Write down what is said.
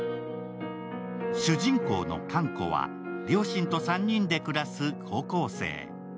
主人公のかんこは両親と３人で暮らす高校生。